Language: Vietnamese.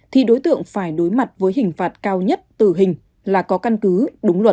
thì đối tượng phải đối mặt với hình phạt cao nhất tử hình là có căn cứ đúng luật